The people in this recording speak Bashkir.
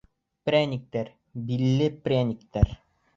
Прәниктәр, билле прәниктәр!